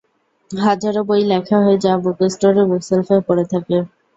হাজারো বই লেখা হয়, যা বুকস্টোরের বুকসেল্ফে পড়ে থাকে!